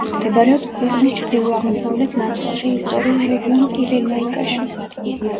მდებარეობს ქვეყნის ჩრდილო-აღმოსავლეთ ნაწილში, ისტორიულ რეგიონ კირენაიკაში.